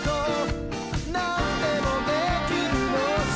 「何でもできるのさ」